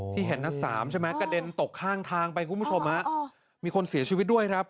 เห็นนะ๓ใช่ไหมกระเด็นตกข้างทางไปคุณผู้ชมฮะมีคนเสียชีวิตด้วยครับ